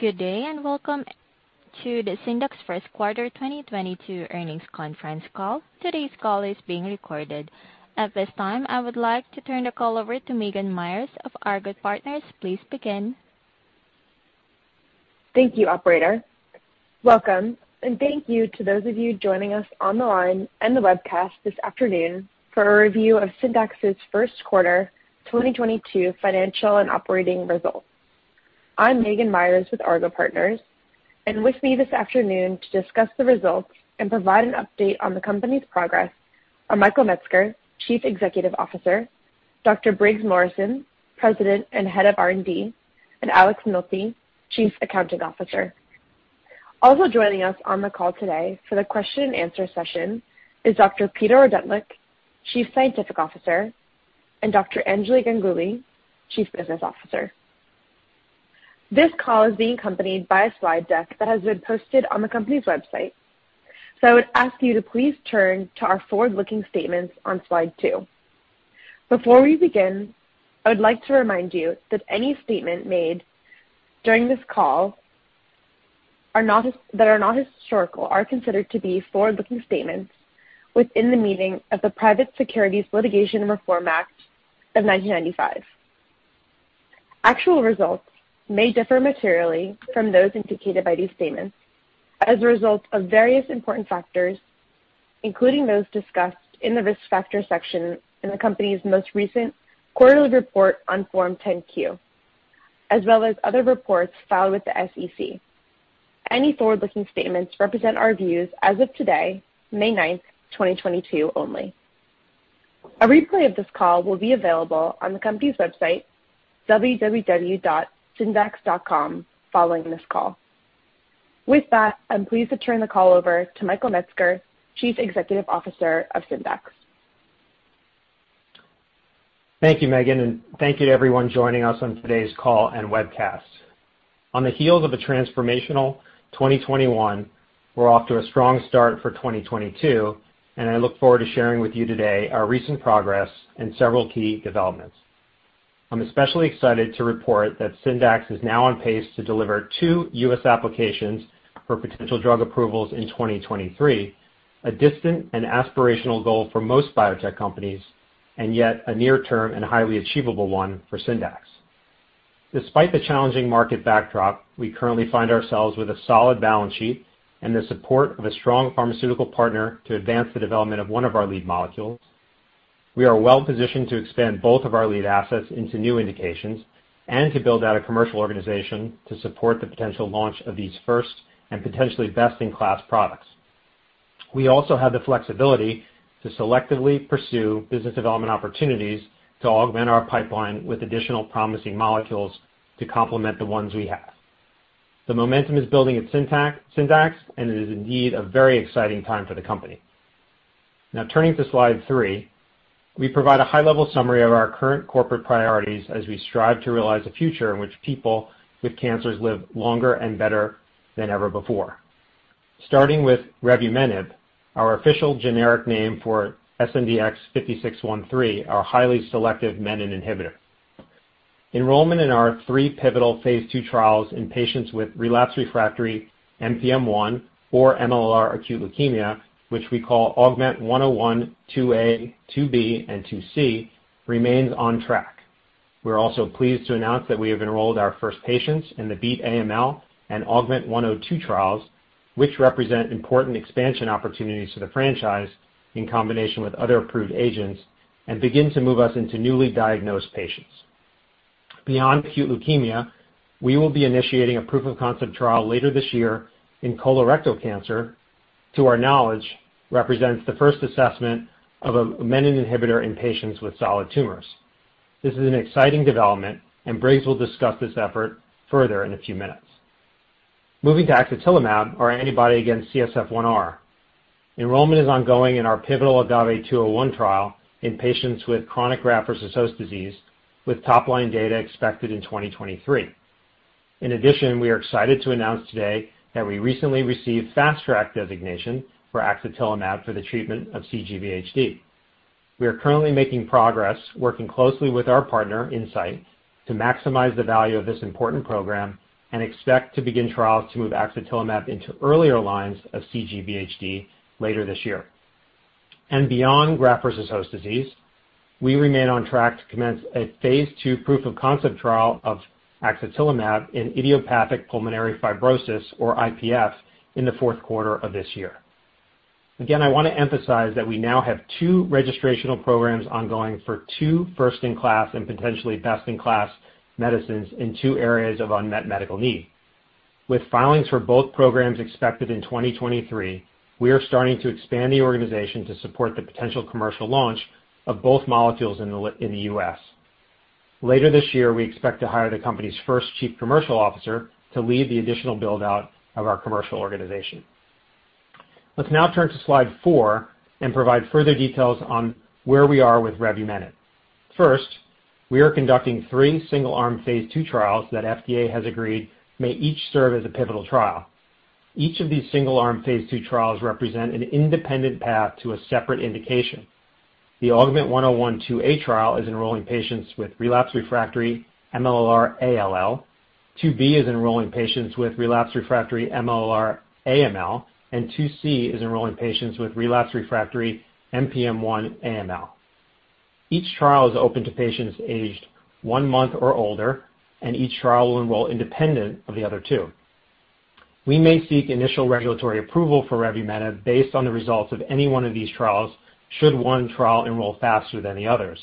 Good day, and welcome to the Syndax first quarter 2022 earnings conference call. Today's call is being recorded. At this time, I would like to turn the call over to Maghan Meyers of Argot Partners. Please begin. Thank you, operator. Welcome, and thank you to those of you joining us on the line and the webcast this afternoon for a review of Syndax's first quarter 2022 financial and operating results. I'm Maghan Meyers with Argot Partners, and with me this afternoon to discuss the results and provide an update on the company's progress are Michael Metzger, Chief Executive Officer, Dr. Briggs Morrison, President and Head of R&D, and Alex Nolte, Chief Accounting Officer. Also joining us on the call today for the question-and-answer session is Dr. Peter Ordentlich, Chief Scientific Officer, and Dr. Anjali Ganguli, Chief Business Officer. This call is being accompanied by a slide deck that has been posted on the company's website. I would ask you to please turn to our forward-looking statements on slide two. Before we begin, I would like to remind you that any statement made during this call that are not historical are considered to be forward-looking statements within the meaning of the Private Securities Litigation Reform Act of 1995. Actual results may differ materially from those indicated by these statements as a result of various important factors, including those discussed in the risk factor section in the company's most recent quarterly report on Form 10-Q, as well as other reports filed with the SEC. Any forward-looking statements represent our views as of today, May 9, 2022 only. A replay of this call will be available on the company's website, www.syndax.com, following this call. With that, I'm pleased to turn the call over to Michael Metzger, Chief Executive Officer of Syndax. Thank you, Maghan Meyers, and thank you to everyone joining us on today's call and webcast. On the heels of a transformational 2021, we're off to a strong start for 2022, and I look forward to sharing with you today our recent progress and several key developments. I'm especially excited to report that Syndax is now on pace to deliver two U.S. applications for potential drug approvals in 2023, a distant and aspirational goal for most biotech companies, and yet a near-term and highly achievable one for Syndax. Despite the challenging market backdrop, we currently find ourselves with a solid balance sheet and the support of a strong pharmaceutical partner to advance the development of one of our lead molecules. We are well-positioned to expand both of our lead assets into new indications and to build out a commercial organization to support the potential launch of these first and potentially best-in-class products. We also have the flexibility to selectively pursue business development opportunities to augment our pipeline with additional promising molecules to complement the ones we have. The momentum is building at Syndax, and it is indeed a very exciting time for the company. Now turning to slide three, we provide a high-level summary of our current corporate priorities as we strive to realize a future in which people with cancers live longer and better than ever before. Starting with revumenib, our official generic name for SNDX-5613, our highly selective menin inhibitor. Enrollment in our three pivotal phase II trials in patients with relapsed refractory NPM1 or MLL-r acute leukemia, which we call AUGMENT-101, 2A, 2B, and 2C, remains on track. We're also pleased to announce that we have enrolled our first patients in the BEAT-AML and AUGMENT-102 trials, which represent important expansion opportunities for the franchise in combination with other approved agents and begin to move us into newly diagnosed patients. Beyond acute leukemia, we will be initiating a proof-of-concept trial later this year in colorectal cancer. To our knowledge, represents the first assessment of a menin inhibitor in patients with solid tumors. This is an exciting development, and Briggs will discuss this effort further in a few minutes. Moving to axatilimab, our antibody against CSF1R. Enrollment is ongoing in our pivotal AGAVE-201 trial in patients with chronic graft-versus-host disease, with top-line data expected in 2023. In addition, we are excited to announce today that we recently received Fast Track designation for axatilimab for the treatment of cGVHD. We are currently making progress working closely with our partner, Incyte, to maximize the value of this important program and expect to begin trials to move axatilimab into earlier lines of cGVHD later this year. Beyond graft-versus-host disease, we remain on track to commence a phase II proof-of-concept trial of axatilimab in idiopathic pulmonary fibrosis or IPF in the fourth quarter of this year. Again, I want to emphasize that we now have two registrational programs ongoing for two first-in-class and potentially best-in-class medicines in two areas of unmet medical need. With filings for both programs expected in 2023, we are starting to expand the organization to support the potential commercial launch of both molecules in the U.S. Later this year, we expect to hire the company's first chief commercial officer to lead the additional build-out of our commercial organization. Let's now turn to slide four and provide further details on where we are with revumenib. First, we are conducting three single-arm phase II trials that FDA has agreed may each serve as a pivotal trial. Each of these single-arm phase II trials represent an independent path to a separate indication. The AUGMENT-101-2A trial is enrolling patients with relapsed refractory MLLR ALL, 2B is enrolling patients with relapsed refractory MLLR AML, and 2C is enrolling patients with relapsed refractory NPM1 AML. Each trial is open to patients aged one month or older, and each trial will enroll independent of the other two. We may seek initial regulatory approval for revumenib based on the results of any one of these trials should one trial enroll faster than the others.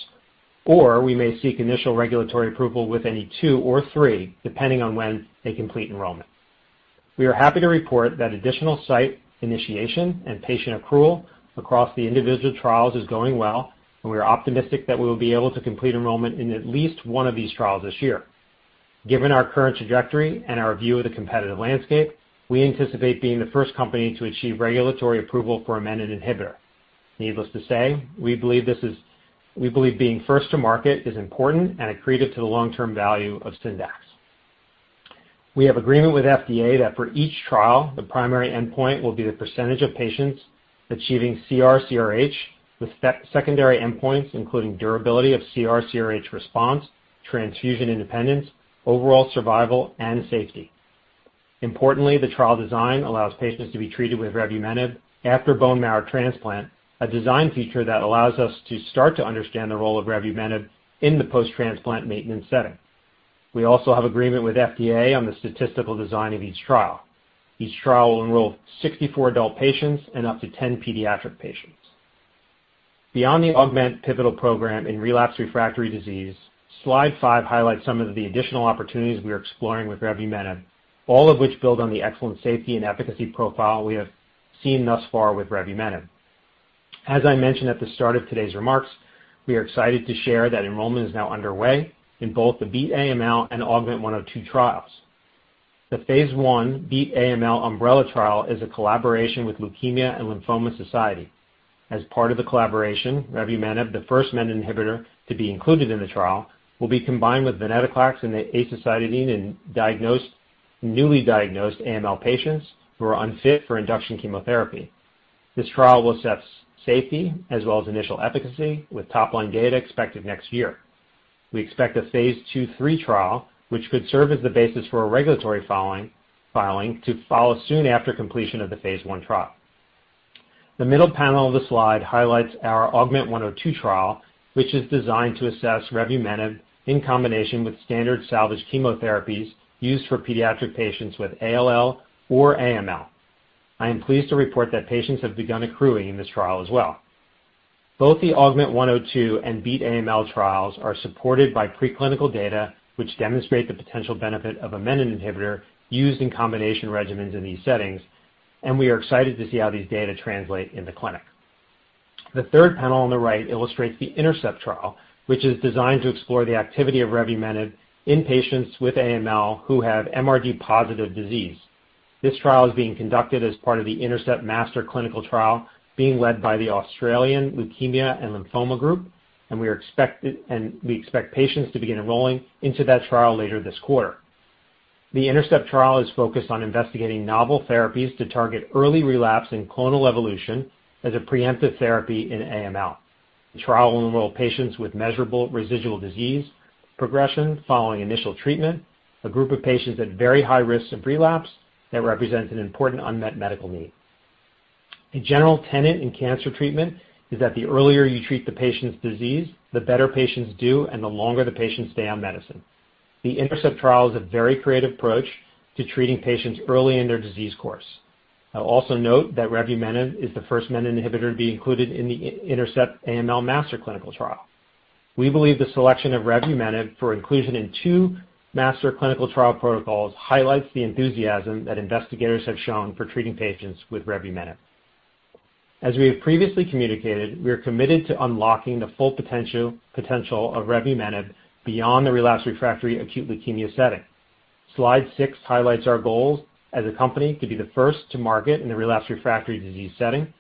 We may seek initial regulatory approval with any two or three, depending on when they complete enrollment. We are happy to report that additional site initiation and patient accrual across the individual trials is going well, and we are optimistic that we will be able to complete enrollment in at least one of these trials this year. Given our current trajectory and our view of the competitive landscape, we anticipate being the first company to achieve regulatory approval for a menin inhibitor. Needless to say, we believe being first to market is important and accretive to the long-term value of Syndax. We have agreement with FDA that for each trial, the primary endpoint will be the percentage of patients achieving CR/CRh, with secondary endpoints including durability of CR/CRh response, transfusion independence, overall survival, and safety. Importantly, the trial design allows patients to be treated with revumenib after bone marrow transplant, a design feature that allows us to start to understand the role of revumenib in the post-transplant maintenance setting. We also have agreement with FDA on the statistical design of each trial. Each trial will enroll 64 adult patients and up to 10 pediatric patients. Beyond the AUGMENT pivotal program in relapsed refractory disease, slide five highlights some of the additional opportunities we are exploring with revumenib, all of which build on the excellent safety and efficacy profile we have seen thus far with revumenib. As I mentioned at the start of today's remarks, we are excited to share that enrollment is now underway in both the BEAT-AML and AUGMENT-102 trials. The phase I BEAT-AML umbrella trial is a collaboration with Leukemia & Lymphoma Society. As part of the collaboration, revumenib, the first menin inhibitor to be included in the trial, will be combined with venetoclax and azacitidine in newly diagnosed AML patients who are unfit for induction chemotherapy. This trial will assess safety as well as initial efficacy, with top-line data expected next year. We expect a phase II/III trial, which could serve as the basis for a regulatory filing to follow soon after completion of the phase I trial. The middle panel of the slide highlights our AUGMENT-102 trial, which is designed to assess revumenib in combination with standard salvage chemotherapies used for pediatric patients with ALL or AML. I am pleased to report that patients have begun accruing in this trial as well. Both the AUGMENT-102 and BEAT-AML trials are supported by preclinical data, which demonstrate the potential benefit of a menin inhibitor used in combination regimens in these settings, and we are excited to see how these data translate in the clinic. The third panel on the right illustrates the INTERCEPT trial, which is designed to explore the activity of revumenib in patients with AML who have MRD-positive disease. This trial is being conducted as part of the INTERCEPT master clinical trial being led by the Australasian Leukaemia & Lymphoma Group, and we expect patients to begin enrolling into that trial later this quarter. The INTERCEPT trial is focused on investigating novel therapies to target early relapse in clonal evolution as a preemptive therapy in AML. The trial will enroll patients with measurable residual disease progression following initial treatment, a group of patients at very high risk of relapse that represents an important unmet medical need. A general tenet in cancer treatment is that the earlier you treat the patient's disease, the better patients do and the longer the patients stay on medicine. The INTERCEPT trial is a very creative approach to treating patients early in their disease course. I'll also note that revumenib is the first menin inhibitor to be included in the INTERCEPT AML master clinical trial. We believe the selection of revumenib for inclusion in two master clinical trial protocols highlights the enthusiasm that investigators have shown for treating patients with revumenib. As we have previously communicated, we are committed to unlocking the full potential of revumenib beyond the relapsed refractory acute leukemia setting. Slide six highlights our goals as a company to be the first to market in the relapsed refractory disease setting.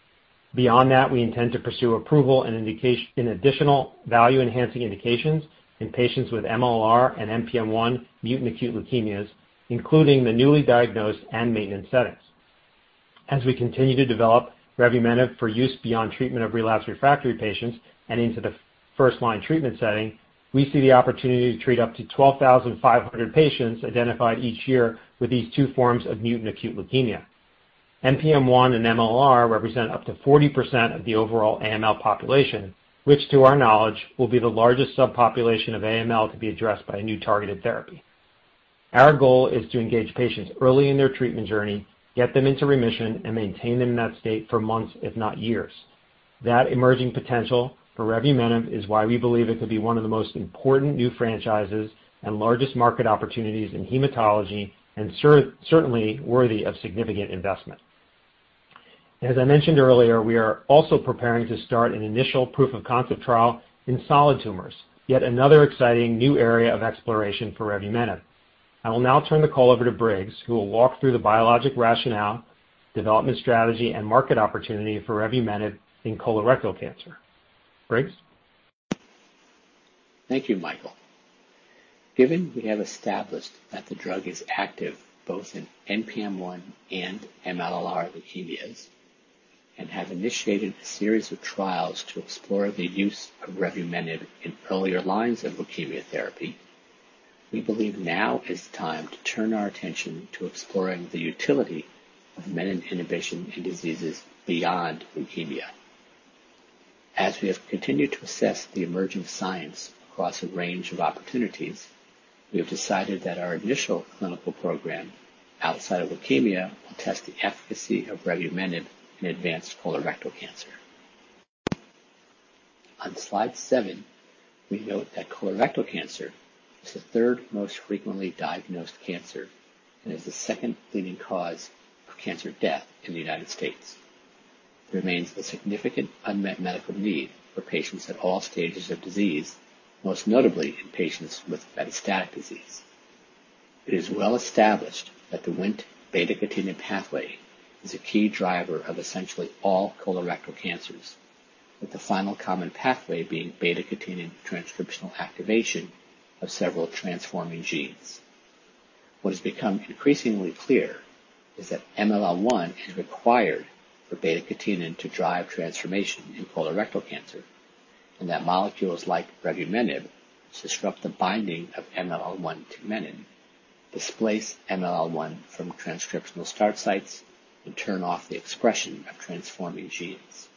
Beyond that, we intend to pursue approval and indication in additional value-enhancing indications in patients with MLLR and NPM1 mutant acute leukemias, including the newly diagnosed and maintenance settings. As we continue to develop revumenib for use beyond treatment of relapsed refractory patients and into the first-line treatment setting, we see the opportunity to treat up to 12,500 patients identified each year with these two forms of mutant acute leukemia. NPM1 and MLLR represent up to 40% of the overall AML population, which to our knowledge will be the largest subpopulation of AML to be addressed by a new targeted therapy. Our goal is to engage patients early in their treatment journey, get them into remission, and maintain them in that state for months, if not years. That emerging potential for revumenib is why we believe it could be one of the most important new franchises and largest market opportunities in hematology, and certainly worthy of significant investment. As I mentioned earlier, we are also preparing to start an initial proof-of-concept trial in solid tumors, yet another exciting new area of exploration for revumenib. I will now turn the call over to Briggs, who will walk through the biologic rationale, development strategy, and market opportunity for revumenib in colorectal cancer. Briggs? Thank you, Michael. Given we have established that the drug is active both in NPM1 and MLLR leukemias and have initiated a series of trials to explore the use of revumenib in earlier lines of leukemia therapy, we believe now is the time to turn our attention to exploring the utility of menin inhibition in diseases beyond leukemia. As we have continued to assess the emerging science across a range of opportunities, we have decided that our initial clinical program outside of leukemia will test the efficacy of revumenib in advanced colorectal cancer. On slide seven, we note that colorectal cancer is the third most frequently diagnosed cancer and is the second leading cause of cancer death in the United States. There remains a significant unmet medical need for patients at all stages of disease, most notably in patients with metastatic disease. It is well established that the Wnt/beta-catenin pathway is a key driver of essentially all colorectal cancers, with the final common pathway being beta-catenin transcriptional activation of several transforming genes. What has become increasingly clear is that MLL1 is required for beta-catenin to drive transformation in colorectal cancer, and that molecules like revumenib, which disrupt the binding of MLL1 to menin, displace MLL1 from transcriptional start sites and turn off the expression of transforming genes.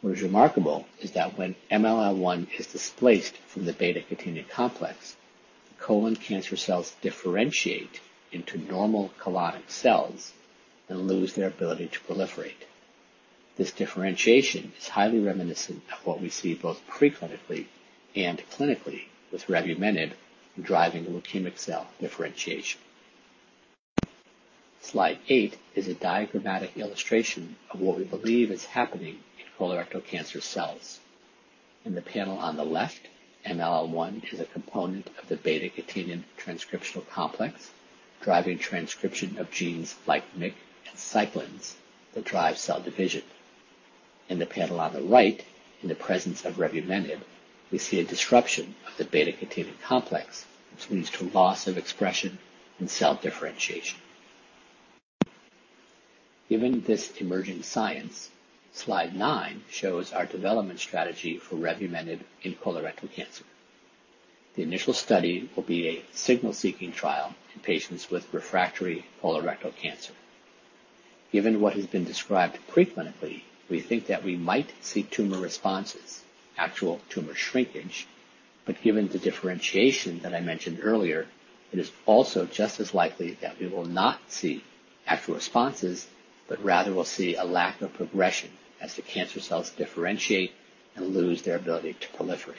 What is remarkable is that when MLL1 is displaced from the beta-catenin complex, colon cancer cells differentiate into normal colonic cells and lose their ability to proliferate. This differentiation is highly reminiscent of what we see both preclinically and clinically with revumenib driving leukemic cell differentiation. Slide eight is a diagrammatic illustration of what we believe is happening in colorectal cancer cells. In the panel on the left, MLL1 is a component of the beta catenin transcriptional complex, driving transcription of genes like MYC and cyclins that drive cell division. In the panel on the right, in the presence of revumenib, we see a disruption of the beta catenin complex, which leads to loss of expression and cell differentiation. Given this emerging science, slide nine shows our development strategy for revumenib in colorectal cancer. The initial study will be a signal-seeking trial in patients with refractory colorectal cancer. Given what has been described pre-clinically, we think that we might see tumor responses, actual tumor shrinkage. But given the differentiation that I mentioned earlier, it is also just as likely that we will not see actual responses, but rather will see a lack of progression as the cancer cells differentiate and lose their ability to proliferate.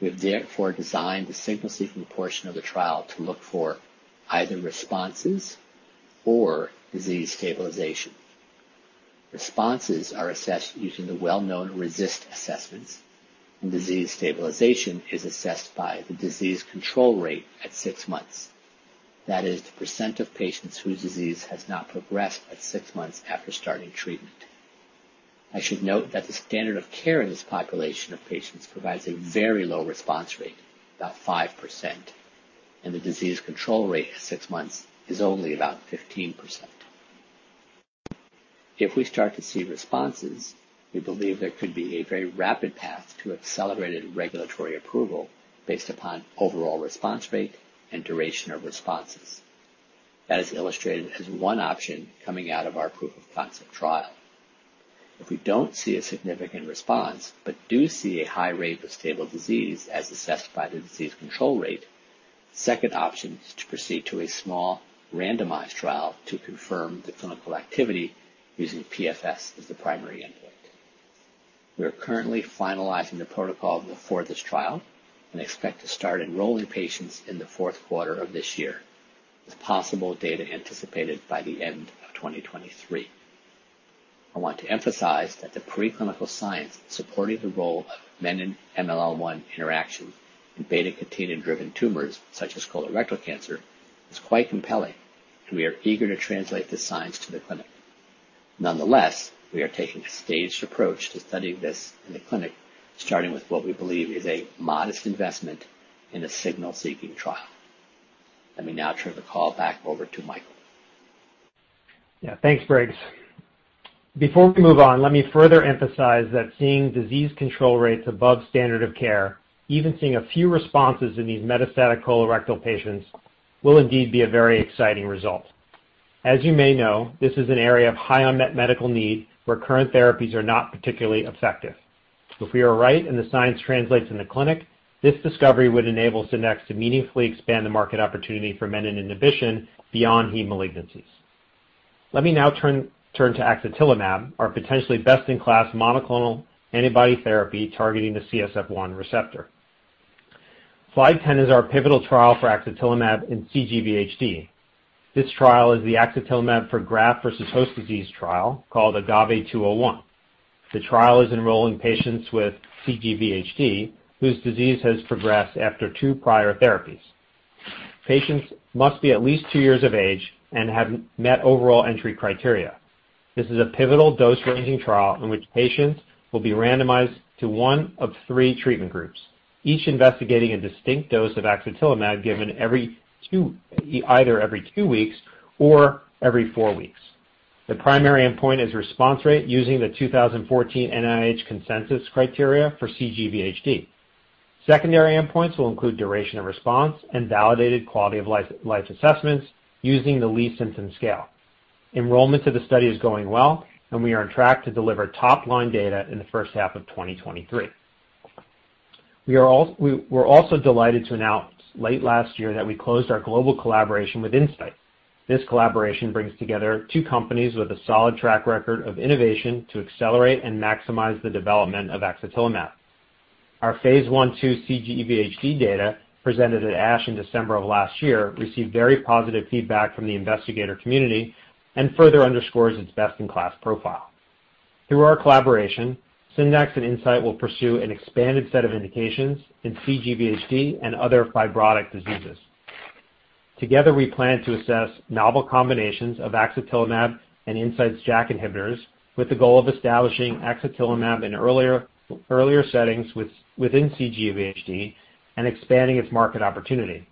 We have therefore designed the signal-seeking portion of the trial to look for either responses or disease stabilization. Responses are assessed using the well-known RECIST assessments, and disease stabilization is assessed by the disease control rate at six months. That is the percent of patients whose disease has not progressed at six months after starting treatment. I should note that the standard of care in this population of patients provides a very low response rate, about 5%, and the disease control rate at six months is only about 15%. If we start to see responses, we believe there could be a very rapid path to accelerated regulatory approval based upon overall response rate and duration of responses. That is illustrated as one option coming out of our proof of concept trial. If we don't see a significant response but do see a high rate of stable disease as assessed by the disease control rate, the second option is to proceed to a small randomized trial to confirm the clinical activity using PFS as the primary endpoint. We are currently finalizing the protocol for this trial and expect to start enrolling patients in the fourth quarter of this year, with possible data anticipated by the end of 2023. I want to emphasize that the preclinical science supporting the role of menin MLL1 interaction in beta catenin-driven tumors such as colorectal cancer is quite compelling, and we are eager to translate the science to the clinic. Nonetheless, we are taking a staged approach to studying this in the clinic, starting with what we believe is a modest investment in a signal-seeking trial. Let me now turn the call back over to Michael. Yeah. Thanks, Briggs. Before we move on, let me further emphasize that seeing disease control rates above standard of care, even seeing a few responses in these metastatic colorectal patients, will indeed be a very exciting result. As you may know, this is an area of high unmet medical need where current therapies are not particularly effective. If we are right and the science translates in the clinic, this discovery would enable Syndax to meaningfully expand the market opportunity for menin inhibition beyond heme malignancies. Let me now turn to axatilimab, our potentially best-in-class monoclonal antibody therapy targeting the CSF1 receptor. Slide 10 is our pivotal trial for axatilimab in cGVHD. This trial is the axatilimab for graft versus host disease trial called AGAVE-201. The trial is enrolling patients with cGVHD whose disease has progressed after two prior therapies. Patients must be at least two years of age and have met overall entry criteria. This is a pivotal dose ranging trial in which patients will be randomized to one of three treatment groups, each investigating a distinct dose of axatilimab given either every two weeks or every four weeks. The primary endpoint is response rate using the 2014 NIH consensus criteria for cGVHD. Secondary endpoints will include duration of response and validated quality of life assessments using the Lee Symptom Scale. Enrollment to the study is going well, and we are on track to deliver top-line data in the first half of 2023. We're also delighted to announce late last year that we closed our global collaboration with Incyte. This collaboration brings together two companies with a solid track record of innovation to accelerate and maximize the development of axatilimab. Our phase I, II cGVHD data presented at ASH in December of last year received very positive feedback from the investigator community and further underscores its best-in-class profile. Through our collaboration, Syndax and Incyte will pursue an expanded set of indications in cGVHD and other fibrotic diseases. Together, we plan to assess novel combinations of axatilimab and Incyte's JAK inhibitors with the goal of establishing axatilimab in earlier settings within cGVHD and expanding its market opportunity.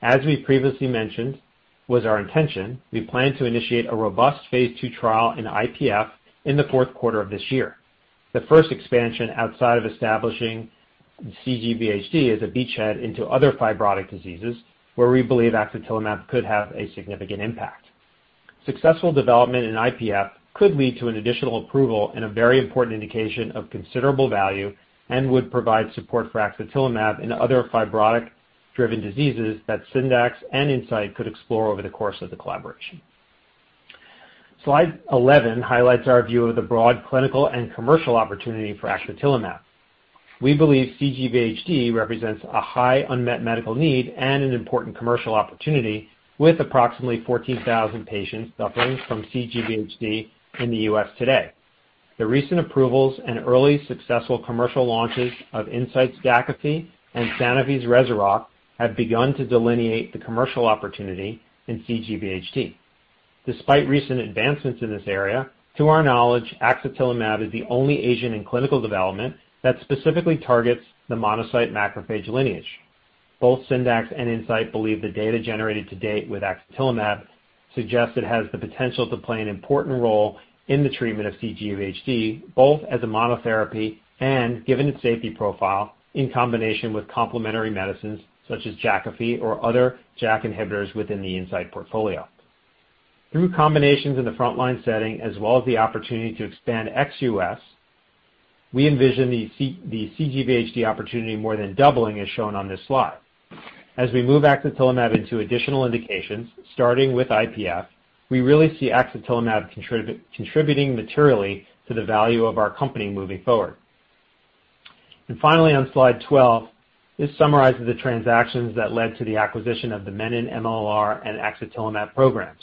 As we previously mentioned was our intention, we plan to initiate a robust phase II trial in IPF in the fourth quarter of this year. The first expansion outside of establishing cGVHD is a beachhead into other fibrotic diseases where we believe axatilimab could have a significant impact. Successful development in IPF could lead to an additional approval in a very important indication of considerable value and would provide support for axatilimab in other fibrotic-driven diseases that Syndax and Incyte could explore over the course of the collaboration. Slide 11 highlights our view of the broad clinical and commercial opportunity for axatilimab. We believe cGVHD represents a high unmet medical need and an important commercial opportunity with approximately 14,000 patients suffering from cGVHD in the U.S. today. The recent approvals and early successful commercial launches of Incyte's Jakafi and Sanofi's Rezurock have begun to delineate the commercial opportunity in cGVHD. Despite recent advancements in this area, to our knowledge, axatilimab is the only agent in clinical development that specifically targets the monocyte macrophage lineage. Both Syndax and Incyte believe the data generated to date with axatilimab suggests it has the potential to play an important role in the treatment of cGVHD, both as a monotherapy and given its safety profile in combination with complementary medicines such as Jakafi or other JAK inhibitors within the Incyte portfolio. Through combinations in the frontline setting as well as the opportunity to expand ex U.S., we envision the cGVHD opportunity more than doubling, as shown on this slide. As we move axatilimab into additional indications, starting with IPF, we really see axatilimab contributing materially to the value of our company moving forward. Finally, on slide 12, this summarizes the transactions that led to the acquisition of the menin MLL-r and axatilimab programs.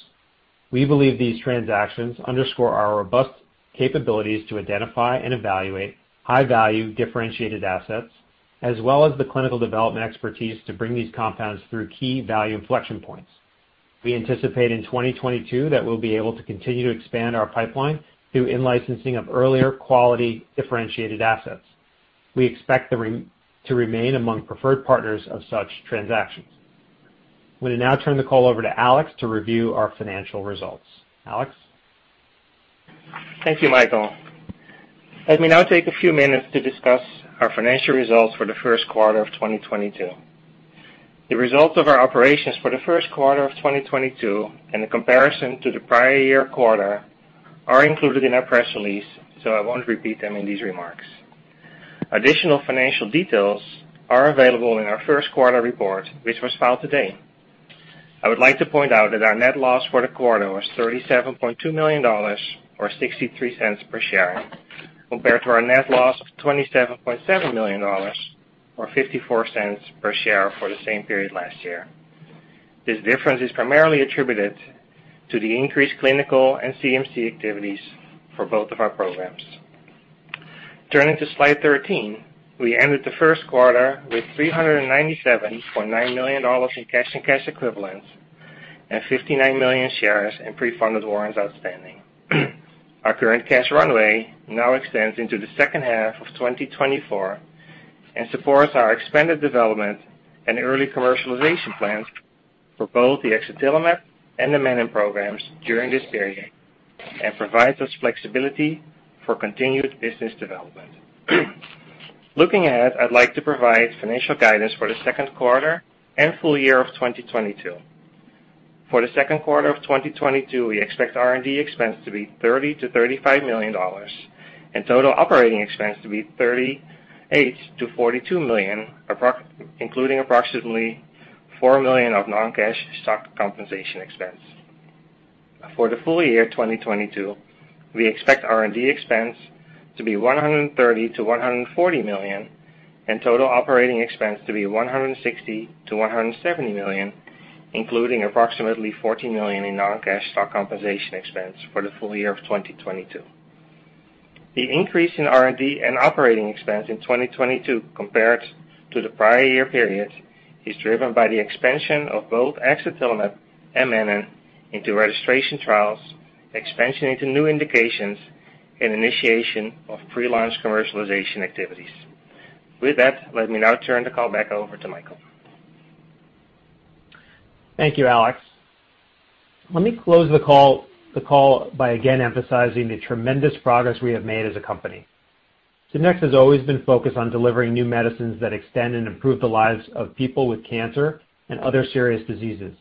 We believe these transactions underscore our robust capabilities to identify and evaluate high-value differentiated assets, as well as the clinical development expertise to bring these compounds through key value inflection points. We anticipate in 2022 that we'll be able to continue to expand our pipeline through in-licensing of earlier quality differentiated assets. We expect to remain among preferred partners of such transactions. I'm gonna now turn the call over to Alex to review our financial results. Alex? Thank you, Michael. Let me now take a few minutes to discuss our financial results for the first quarter of 2022. The results of our operations for the first quarter of 2022 and the comparison to the prior year quarter are included in our press release, so I won't repeat them in these remarks. Additional financial details are available in our first quarter report, which was filed today. I would like to point out that our net loss for the quarter was $37.2 million or $0.63 per share, compared to our net loss of $27.7 million or $0.54 per share for the same period last year. This difference is primarily attributed to the increased clinical and CMC activities for both of our programs. Turning to slide 13, we ended the first quarter with $397.9 million in cash and cash equivalents, and 59 million shares in pre-funded warrants outstanding. Our current cash runway now extends into the second half of 2024 and supports our expanded development and early commercialization plans for both the axatilimab and the menin programs during this period and provides us flexibility for continued business development. Looking ahead, I'd like to provide financial guidance for the second quarter and full year of 2022. For the second quarter of 2022, we expect R&D expense to be $30 million-$35 million and total operating expense to be $38 million-$42 million, including approximately $4 million of non-cash stock compensation expense. For the full year 2022, we expect R&D expense to be $130 million-$140 million, and total operating expense to be $160 million-$170 million, including approximately $14 million in non-cash stock compensation expense for the full year of 2022. The increase in R&D and operating expense in 2022 compared to the prior year period is driven by the expansion of both axatilimab and menin into registration trials, expansion into new indications, and initiation of pre-launch commercialization activities. With that, let me now turn the call back over to Michael. Thank you, Alex. Let me close the call by again emphasizing the tremendous progress we have made as a company. Syndax has always been focused on delivering new medicines that extend and improve the lives of people with cancer and other serious diseases.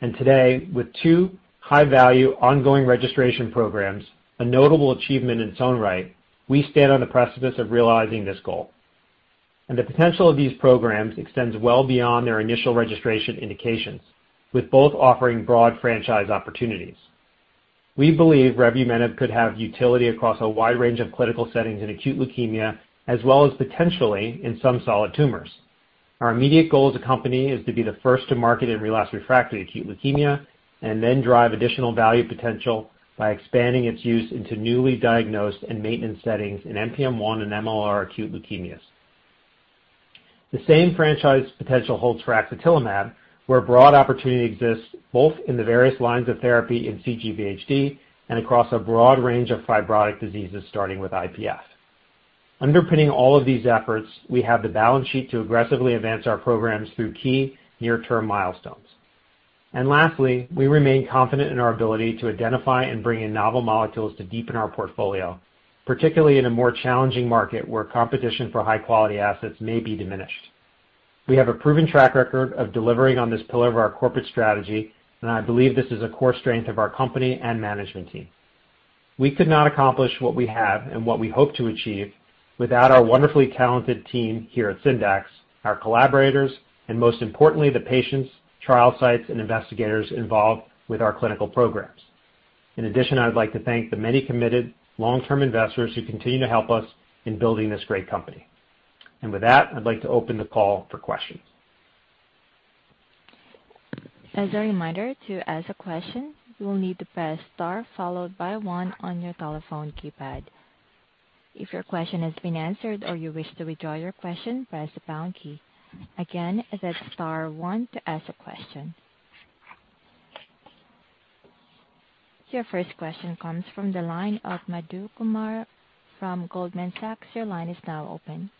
Today, with two high-value ongoing registration programs, a notable achievement in its own right, we stand on the precipice of realizing this goal. The potential of these programs extends well beyond their initial registration indications, with both offering broad franchise opportunities. We believe revumenib could have utility across a wide range of clinical settings in acute leukemia, as well as potentially in some solid tumors. Our immediate goal as a company is to be the first to market in relapsed refractory acute leukemia and then drive additional value potential by expanding its use into newly diagnosed and maintenance settings in NPM1 and MLL-r acute leukemias. The same franchise potential holds for axatilimab, where broad opportunity exists both in the various lines of therapy in cGVHD and across a broad range of fibrotic diseases, starting with IPF. Underpinning all of these efforts, we have the balance sheet to aggressively advance our programs through key near-term milestones. Lastly, we remain confident in our ability to identify and bring in novel molecules to deepen our portfolio, particularly in a more challenging market where competition for high-quality assets may be diminished. We have a proven track record of delivering on this pillar of our corporate strategy, and I believe this is a core strength of our company and management team. We could not accomplish what we have and what we hope to achieve without our wonderfully talented team here at Syndax, our collaborators, and most importantly, the patients, trial sites, and investigators involved with our clinical programs. In addition, I would like to thank the many committed long-term investors who continue to help us in building this great company. With that, I'd like to open the call for questions. As a reminder, to ask a question, you will need to press star followed by one on your telephone keypad. If your question has been answered or you wish to withdraw your question, press the pound key. Again, that's star one to ask a question. Your first question comes from the line of Madhu Kumar from Goldman Sachs. Your line is now open.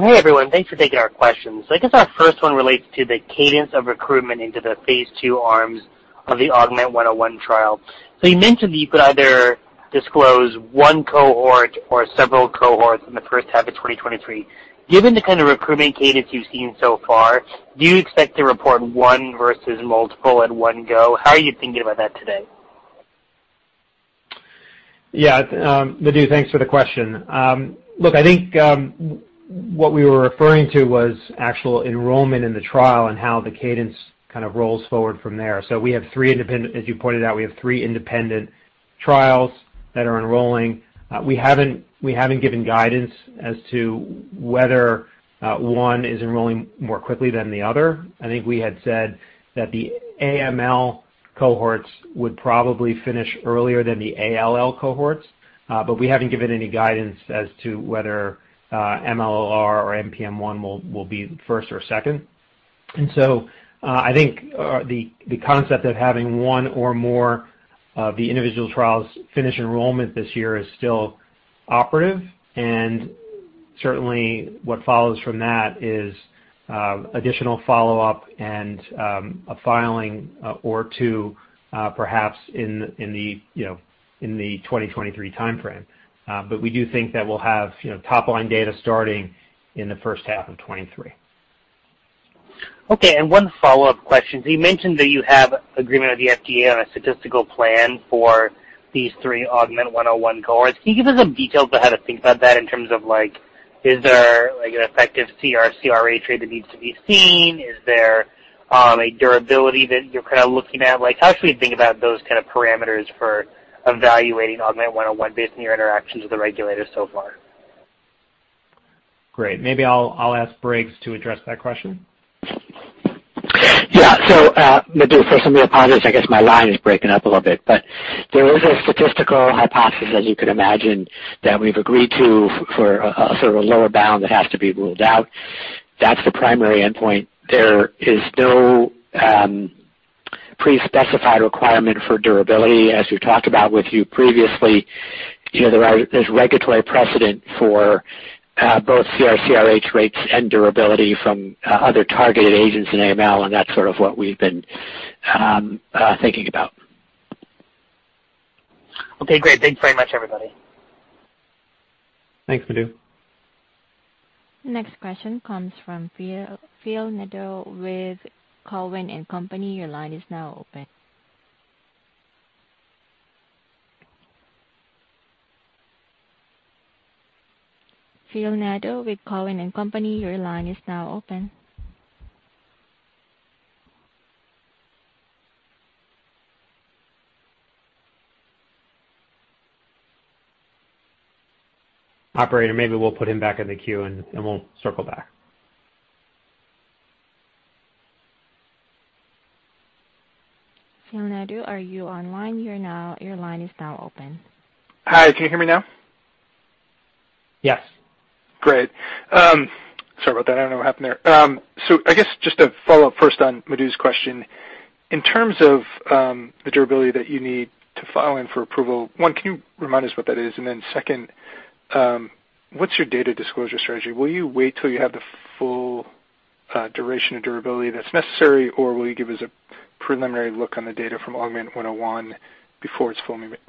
Hey everyone. Thanks for taking our questions. I guess our first one relates to the cadence of recruitment into the phase II arms of the AUGMENT-101 trial. You mentioned that you could either disclose one cohort or several cohorts in the first half of 2023. Given the kind of recruitment cadence you've seen so far, do you expect to report one versus multiple at one go? How are you thinking about that today? Yeah, Madhu, thanks for the question. Look, I think what we were referring to was actual enrollment in the trial and how the cadence kind of rolls forward from there. As you pointed out, we have three independent trials that are enrolling. We haven't given guidance as to whether one is enrolling more quickly than the other. I think we had said that the AML cohorts would probably finish earlier than the ALL cohorts, but we haven't given any guidance as to whether MLL-r or NPM1 will be first or second. I think the concept of having one or more of the individual trials finish enrollment this year is still operative. Certainly what follows from that is additional follow-up and a filing or two perhaps in the you know in the 2023 timeframe. We do think that we'll have you know top-line data starting in the first half of 2023. Okay. One follow-up question. You mentioned that you have agreement with the FDA on a statistical plan for these three AUGMENT-101 cohorts. Can you give us some details about how to think about that in terms of like, is there like an effective CR/CRh rate that needs to be seen? Is there a durability that you're kind of looking at? Like, how should we think about those kind of parameters for evaluating AUGMENT-101 based on your interactions with the regulators so far? Great. Maybe I'll ask Briggs to address that question. Yeah, Madhu, for some of your questions, I guess my line is breaking up a little bit, but there is a statistical hypothesis, as you can imagine, that we've agreed to for a sort of lower bound that has to be ruled out. That's the primary endpoint. There is no prespecified requirement for durability. As we talked about with you previously, you know, there's regulatory precedent for both CR/CRh rates and durability from other targeted agents in AML, and that's sort of what we've been thinking about. Okay, great. Thanks very much, everybody. Thanks, Madhu. Next question comes from Phil Nadeau with Cowen and Company. Your line is now open. Phil Nadeau with Cowen and Company, your line is now open. Operator, maybe we'll put him back in the queue, and we'll circle back. Phil Nadeau, are you online? Your line is now open. Hi, can you hear me now? Yes. Great. Sorry about that. I don't know what happened there. I guess just to follow up first on Madhu's question. In terms of the durability that you need to file in for approval, one, can you remind us what that is? And then second, what's your data disclosure strategy? Will you wait till you have the full duration and durability that's necessary, or will you give us a preliminary look on the data from AUGMENT-101 before it's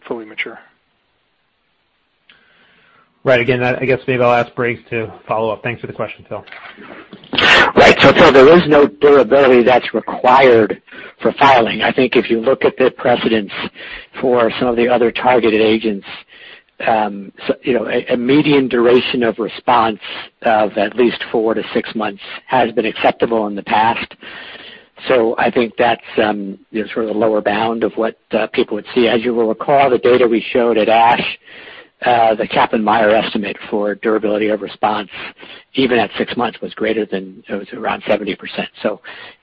fully mature? Right. Again, I guess maybe I'll ask Briggs to follow up. Thanks for the question, Phil. Right. Phil, there is no durability that's required for filing. I think if you look at the precedents for some of the other targeted agents, a median duration of response of at least four to six months has been acceptable in the past. I think that's sort of the lower bound of what people would see. As you will recall, the data we showed at ASH, the Kaplan-Meier estimate for durability of response, even at six months, was greater than it was around 70%.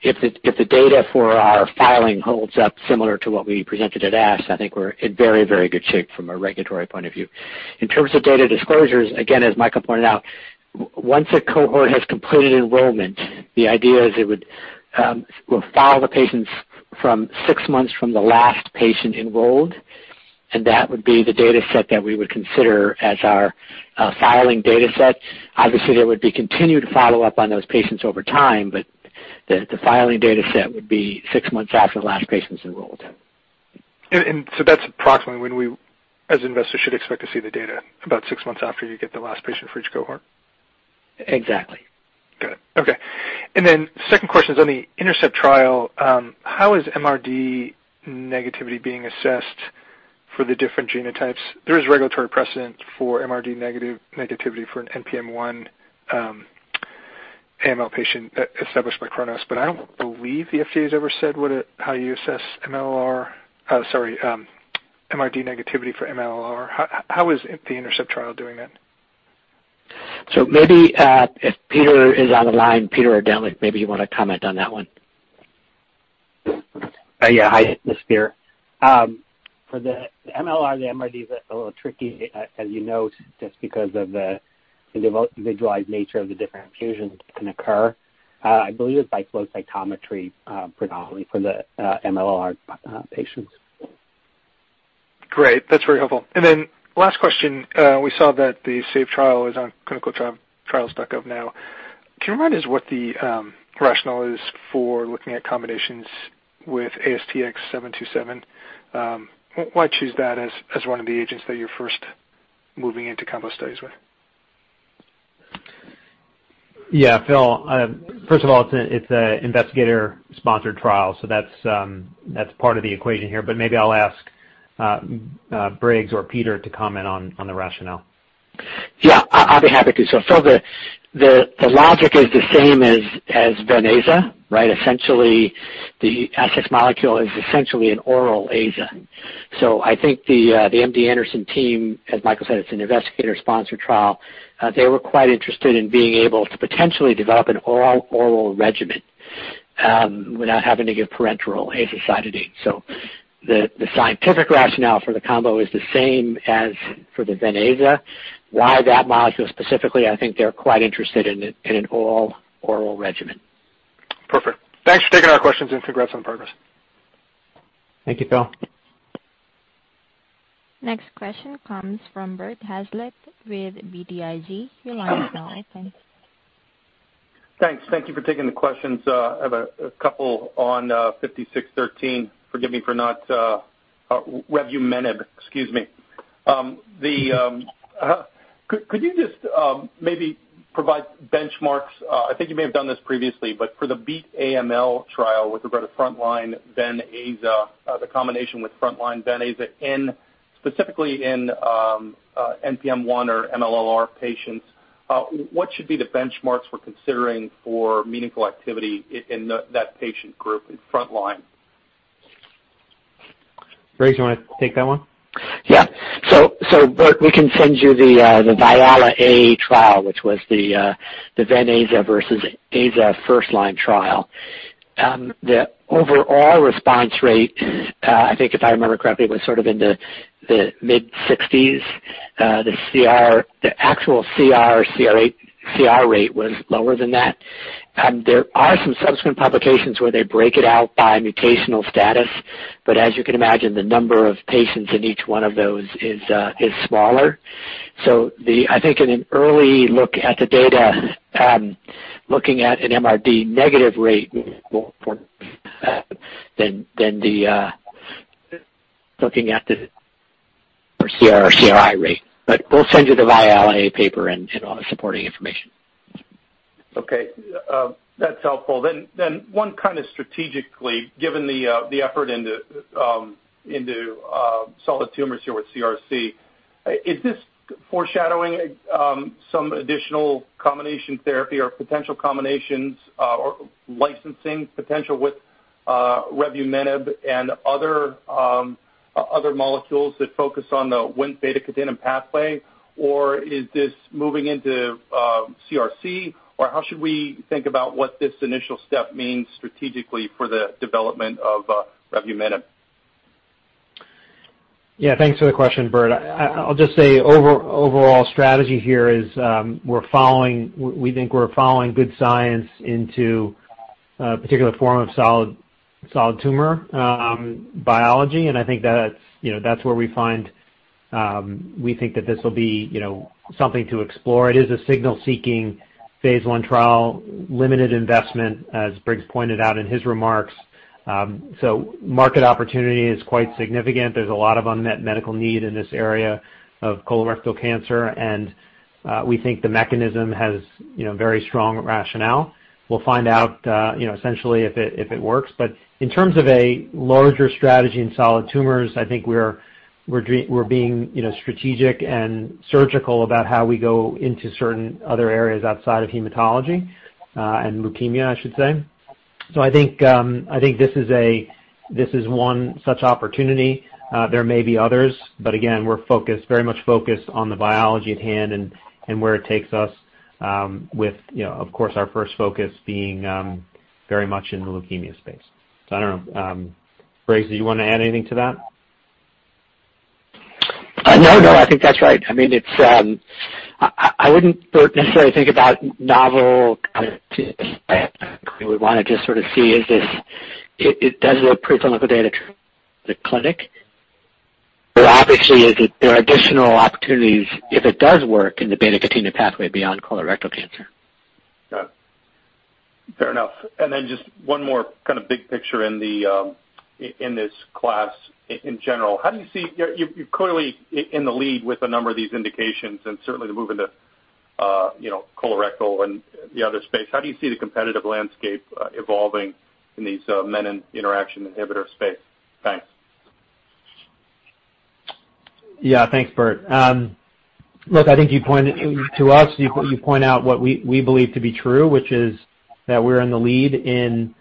If the data for our filing holds up similar to what we presented at ASH, I think we're in very, very good shape from a regulatory point of view. In terms of data disclosures, again, as Michael pointed out, once a cohort has completed enrollment, the idea is it would, we'll follow the patients from six months from the last patient enrolled, and that would be the data set that we would consider as our filing data set. Obviously, there would be continued follow-up on those patients over time, but the filing data set would be six months after the last patient's enrolled. That's approximately when we, as investors, should expect to see the data, about six months after you get the last patient for each cohort? Exactly. Good. Okay. Second question is on the INTERCEPT trial, how is MRD negativity being assessed for the different genotypes? There is regulatory precedent for MRD negativity for an NPM1 AML patient established by Kronos, but I don't believe the FDA has ever said how you assess MLL-r. MRD negativity for MLL-r. How is the INTERCEPT trial doing that? Maybe, if Peter is on the line, Peter Ordentlich, maybe you wanna comment on that one. Hi, this is Peter. For the MLL-r, the MRD is a little tricky, as you note, just because of the individualized nature of the different infusions can occur. I believe it's by flow cytometry, predominantly for the MLL-r patients. Great. That's very helpful. Last question, we saw that the SAVE trial is on ClinicalTrials.gov now. Can you remind us what the rationale is for looking at combinations with ASTX727? Why choose that as one of the agents that you're first moving into combo studies with? Yeah. Phil, first of all, it's an investigator-sponsored trial, so that's part of the equation here. Maybe I'll ask Briggs or Peter to comment on the rationale. Yeah. I'll be happy to. Phil, the logic is the same as VenAza, right? Essentially, the ASTX molecule is essentially an oral Aza. I think the MD Anderson team, as Michael said, it's an investigator-sponsored trial, they were quite interested in being able to potentially develop an all-oral regimen, without having to give parenteral azacitidine. The scientific rationale for the combo is the same as for the VenAza. Why that molecule specifically? I think they're quite interested in an all-oral regimen. Perfect. Thanks for taking our questions, and congrats on the progress. Thank you, Phil. Next question comes from Bert Hazlett with BTIG. Your line is now open. Thanks. Thank you for taking the questions. I have a couple on SNDX-5613. Revumenib, excuse me. Could you just maybe provide benchmarks? I think you may have done this previously, but for the BEAT-AML trial with regard to frontline VenAza, the combination with frontline VenAza specifically in NPM1 or MLLR patients, what should be the benchmarks we're considering for meaningful activity in that patient group in frontline? Briggs, you wanna take that one? Bert, we can send you the VIALE-A trial, which was the VenAza versus Aza first-line trial. The overall response rate, I think if I remember correctly, was sort of in the mid-60%s. The actual CR rate was lower than that. There are some subsequent publications where they break it out by mutational status. But as you can imagine, the number of patients in each one of those is smaller. I think in an early look at the data, looking at an MRD-negative rate more important than looking at the CR or CRi rate. But we'll send you the VIALE-A paper and all the supporting information. Okay. That's helpful. One kinda strategically, given the effort into solid tumors here with CRC, is this foreshadowing some additional combination therapy or potential combinations, or licensing potential with revumenib and other molecules that focus on the Wnt beta-catenin pathway? Or is this moving into CRC? Or how should we think about what this initial step means strategically for the development of revumenib? Yeah, thanks for the question, Bert. I'll just say overall strategy here is, we're following. We think we're following good science into a particular form of solid tumor biology. I think that's where we find. We think that this will be something to explore. It is a signal seeking phase I trial, limited investment, as Briggs pointed out in his remarks. Market opportunity is quite significant. There's a lot of unmet medical need in this area of colorectal cancer, and we think the mechanism has very strong rationale. We'll find out essentially if it works. In terms of a larger strategy in solid tumors, I think we're being, you know, strategic and surgical about how we go into certain other areas outside of hematology and leukemia, I should say. I think this is one such opportunity. There may be others. Again, we're focused, very much focused on the biology at hand and where it takes us, you know, of course, our first focus being very much in the leukemia space. I don't know. Briggs, did you wanna add anything to that? No, I think that's right. I mean, it's. I wouldn't necessarily think about novel. We wanna just sort of see if this. It does look pretty clinical data in the clinic. Obviously there are additional opportunities if it does work in the beta-catenin pathway beyond colorectal cancer. Got it. Fair enough. Just one more kind of big picture in this class in general. You're clearly in the lead with a number of these indications and certainly the move into colorectal and the other space. How do you see the competitive landscape evolving in these menin inhibitor space? Thanks. Yeah. Thanks, Bert. Look, I think you point out what we believe to be true, which is that we're in the lead in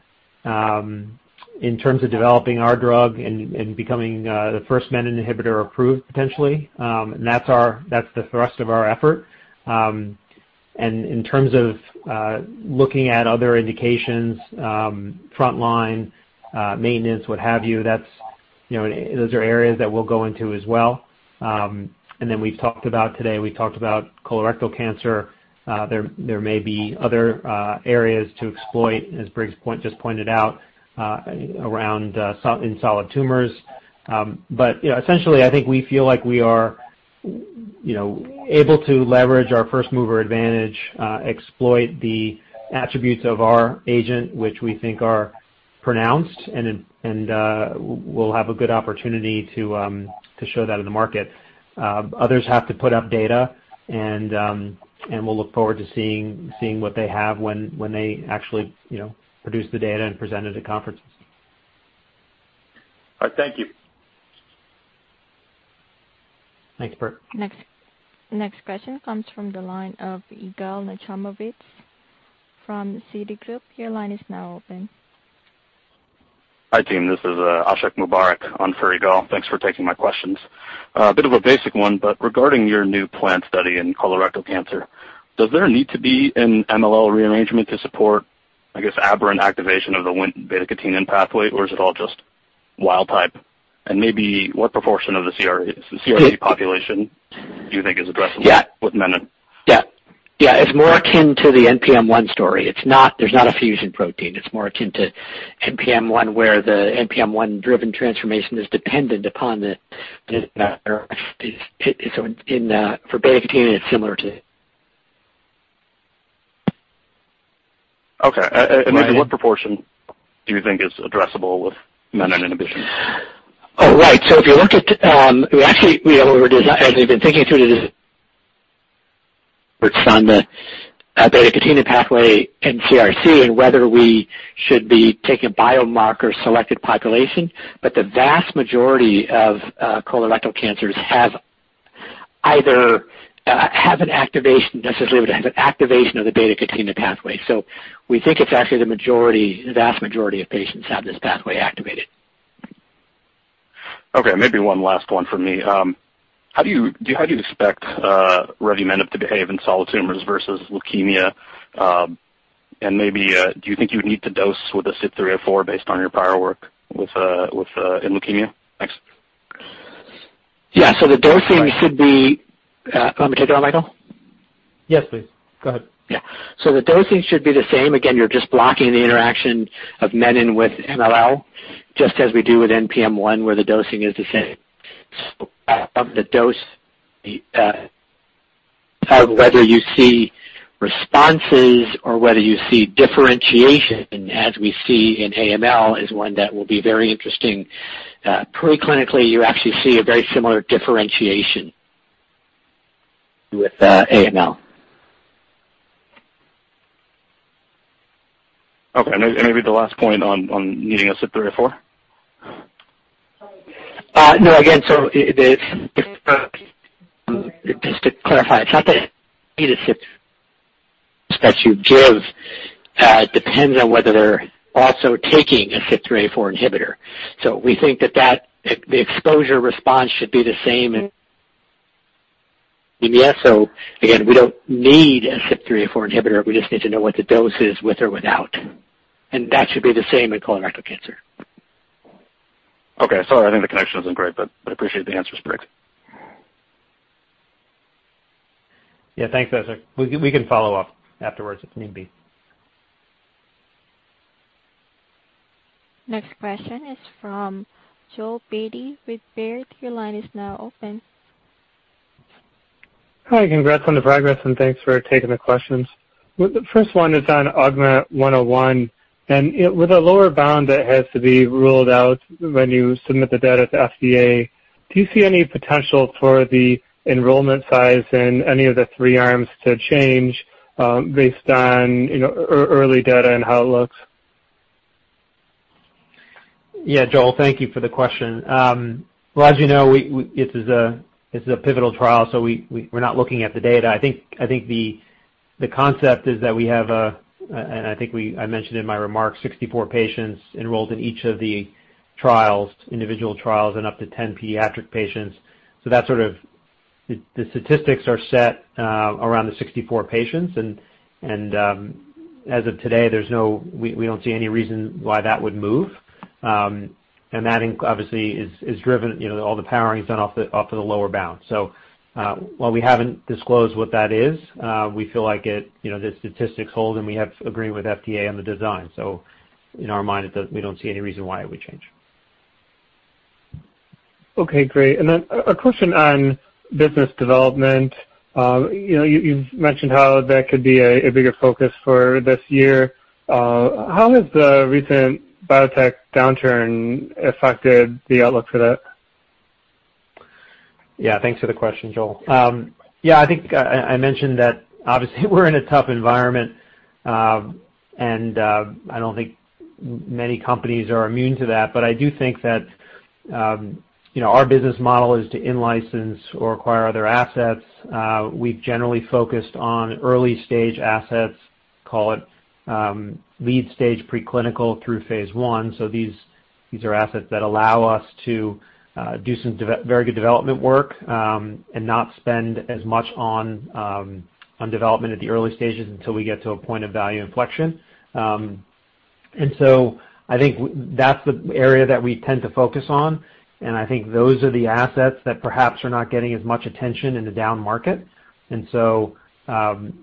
terms of developing our drug and becoming the first menin inhibitor approved potentially. That's the thrust of our effort. In terms of looking at other indications, frontline, maintenance, what have you know, those are areas that we'll go into as well. We've talked about it today, we talked about colorectal cancer. There may be other areas to exploit, as Briggs just pointed out, around solid tumors. You know, essentially, I think we feel like we are, you know, able to leverage our first-mover advantage, exploit the attributes of our agent, which we think are pronounced and we'll have a good opportunity to show that in the market. Others have to put up data and we'll look forward to seeing what they have when they actually, you know, produce the data and present it at conferences. All right. Thank you. Thanks, Bert. Next question comes from the line of Yigal Nochomovitz from Citigroup. Your line is now open. Hi, team. This is Ashiq Mubarack on for Yigal Nochomovitz. Thanks for taking my questions. A bit of a basic one, but regarding your new pilot study in colorectal cancer, does there need to be an MLL rearrangement to support, I guess, aberrant activation of the Wnt/beta-catenin pathway, or is it all just wild type? Maybe what proportion of the CRC population do you think is addressable- Yeah. With menin? It's more akin to the NPM1 story. It's not. There's not a fusion protein. It's more akin to NPM1, where the NPM1 driven transformation is dependent upon the menin. For beta-catenin, it's similar to Maybe what proportion do you think is addressable with menin inhibition? As we've been thinking through this on the beta-catenin pathway in CRC and whether we should be taking a biomarker selected population, but the vast majority of colorectal cancers necessarily have an activation of the beta-catenin pathway. We think it's actually the majority, the vast majority of patients have this pathway activated. Okay. Maybe one last one for me. How do you expect revumenib to behave in solid tumors versus leukemia? Maybe do you think you would need to dose with a CYP3A4 based on your prior work with in leukemia? Thanks. Yeah. Want me to take that one, Michael? Yes, please. Go ahead. Yeah. The dosing should be the same. Again, you're just blocking the interaction of menin with MLL, just as we do with NPM1, where the dosing is the same. Whether you see responses or whether you see differentiation, as we see in AML, is one that will be very interesting. Preclinically, you actually see a very similar differentiation with AML. Okay. Maybe the last point on needing a SIP three or four. No. Again, the just to clarify, it's not that. That you give depends on whether they're also taking a CYP3A4 inhibitor. We think that the exposure response should be the same. Yeah, again, we don't need a CYP3A4 inhibitor. We just need to know what the dose is with or without, and that should be the same in colorectal cancer. Okay. Sorry, I think the connection isn't great, but I appreciate the answers, Briggs. Yeah, thanks, Ashiq Mubarack. We can follow up afterwards if need be. Next question is from Joel Beatty with Baird. Your line is now open. Hi. Congrats on the progress, and thanks for taking the questions. The first one is on AUGMENT-101, and with a lower bound that has to be ruled out when you submit the data to FDA, do you see any potential for the enrollment size in any of the three arms to change, based on, you know, early data and how it looks? Yeah. Joel, thank you for the question. Well, as you know, this is a pivotal trial, so we're not looking at the data. I think the concept is that I mentioned in my remarks, 64 patients enrolled in each of the trials, individual trials, and up to 10 pediatric patients. That's sort of the statistics are set around the 64 patients. As of today, we don't see any reason why that would move. That obviously is driven, you know, all the powering is done off of the lower bound. While we haven't disclosed what that is, we feel like it, you know, the statistics hold, and we have agreed with FDA on the design. In our mind, it does. We don't see any reason why it would change. Okay, great. Then a question on business development. You know, you've mentioned how that could be a bigger focus for this year. How has the recent biotech downturn affected the outlook for that? Yeah, thanks for the question, Joel. I think I mentioned that obviously we're in a tough environment, and I don't think many companies are immune to that. But I do think that, you know, our business model is to in-license or acquire other assets. We've generally focused on early stage assets, call it, late stage preclinical through phase I. So these are assets that allow us to do some very good development work, and not spend as much on development at the early stages until we get to a point of value inflection. I think that's the area that we tend to focus on, and I think those are the assets that perhaps are not getting as much attention in the down market.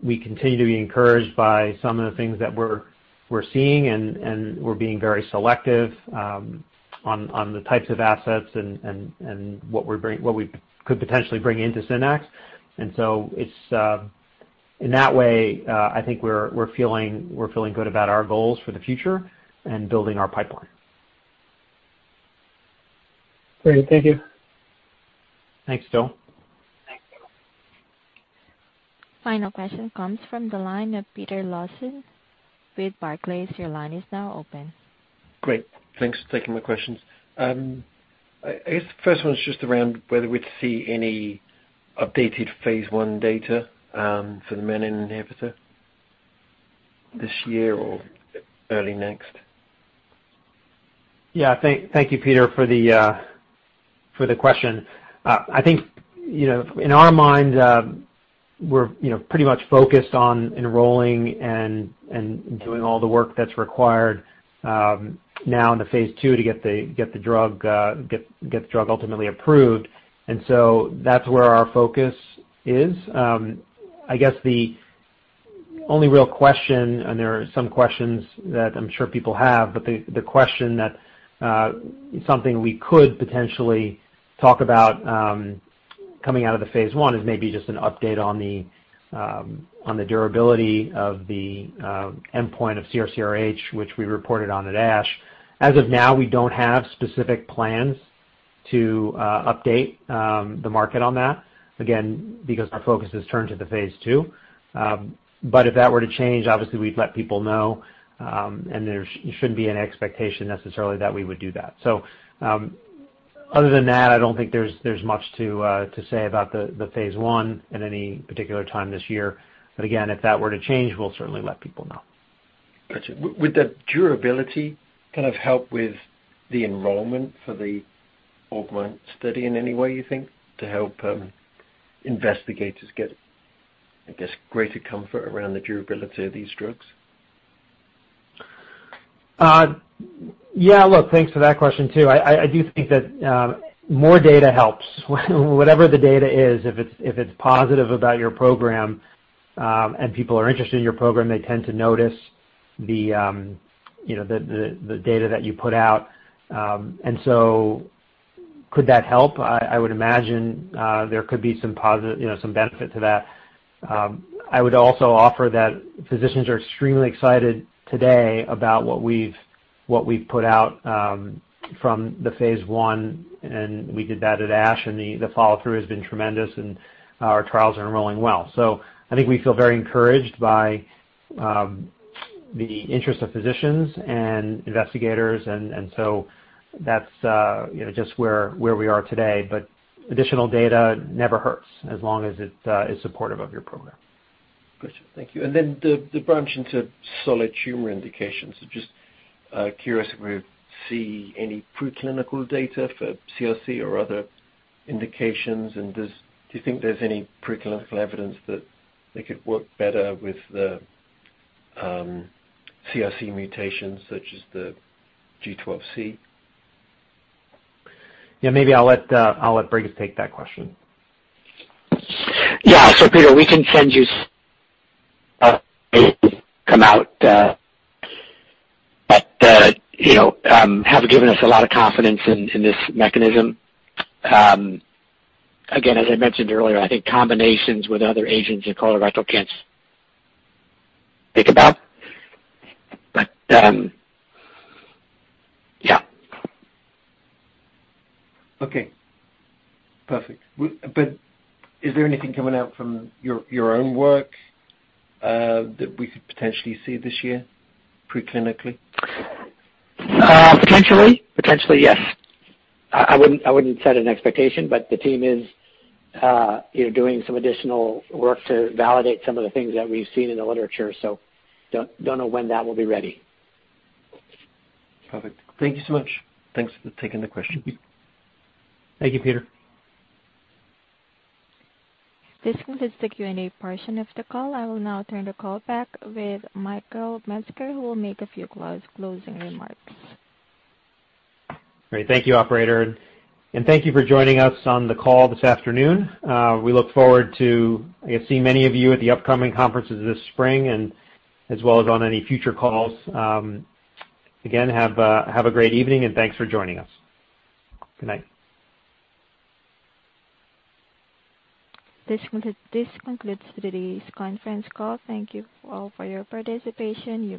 We continue to be encouraged by some of the things that we're seeing, and we're being very selective on the types of assets and what we could potentially bring into Syndax. In that way, I think we're feeling good about our goals for the future and building our pipeline. Great. Thank you. Thanks, Joel. Thanks, Joel. Final question comes from the line of Peter Lawson with Barclays. Your line is now open. Great. Thanks for taking my questions. I guess the first one is just around whether we'd see any updated phase I data for the menin inhibitor this year or early next. Yeah. Thank you, Peter, for the question. I think, you know, in our mind, we're, you know, pretty much focused on enrolling and doing all the work that's required now into phase II to get the drug ultimately approved. That's where our focus is. I guess the only real question, and there are some questions that I'm sure people have, but the question that something we could potentially talk about coming out of the phase I is maybe just an update on the durability of the endpoint of CR/CRh, which we reported on at ASH. As of now, we don't have specific plans to update the market on that, again, because our focus has turned to the phase II. If that were to change, obviously we'd let people know, and there shouldn't be an expectation necessarily that we would do that. Other than that, I don't think there's much to say about the phase I at any particular time this year. Again, if that were to change, we'll certainly let people know. Gotcha. Would the durability kind of help with the enrollment for the AUGMENT study in any way, you think, to help investigators get, I guess, greater comfort around the durability of these drugs? Yeah. Look, thanks for that question, too. I do think that more data helps. Whatever the data is, if it's positive about your program, and people are interested in your program, they tend to notice the you know the data that you put out. Could that help? I would imagine there could be some positive, you know, some benefit to that. I would also offer that physicians are extremely excited today about what we've put out from the phase I, and we did that at ASH, and the follow-through has been tremendous, and our trials are enrolling well. I think we feel very encouraged by the interest of physicians and investigators, and so that's just where we are today. Additional data never hurts as long as it is supportive of your program. Good. Thank you. The branch into solid tumor indications. Just curious if we see any preclinical data for CRC or other indications and do you think there's any preclinical evidence that they could work better with the CRC mutations such as the G12C? Yeah, maybe I'll let Briggs take that question. Peter Ordentlich, we can send you some, but you know have given us a lot of confidence in this mechanism. Again, as I mentioned earlier, I think combinations with other agents in colorectal cancer think about. Okay. Perfect. Is there anything coming out from your own work that we could potentially see this year preclinically? Potentially. Potentially, yes. I wouldn't set an expectation, but the team is, you know, doing some additional work to validate some of the things that we've seen in the literature, so don't know when that will be ready. Perfect. Thank you so much. Thanks for taking the question. Thank you, Peter. This concludes the Q&A portion of the call. I will now turn the call back with Michael Metzger, who will make a few closing remarks. Great. Thank you, operator, and thank you for joining us on the call this afternoon. We look forward to, I guess, seeing many of you at the upcoming conferences this spring and as well as on any future calls. Again, have a great evening and thanks for joining us. Good night. This concludes today's conference call. Thank you all for your participation. You